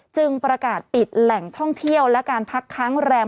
ประกาศปิดแหล่งท่องเที่ยวและการพักค้างแรม